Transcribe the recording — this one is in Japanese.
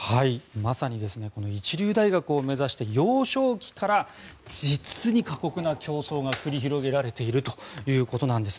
まさに一流大学を目指して幼少期から実に過酷な競争が繰り広げられているということです。